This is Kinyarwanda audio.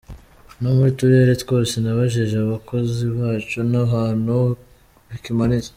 No mu turere twose nabajije abakozi bacu ntahantu bikimanitse.